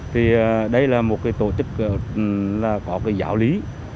thì đây là một tổ chức có giáo lý